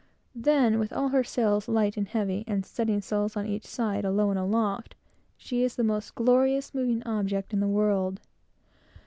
Then, with all her sails, light and heavy, and studding sails, on each side, alow and aloft, she is the most glorious moving object in the world.